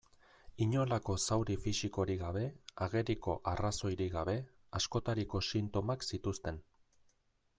Inolako zauri fisikorik gabe, ageriko arrazoirik gabe, askotariko sintomak zituzten.